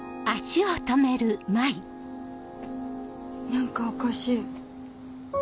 何かおかしい。